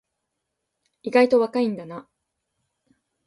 意外と若いんだな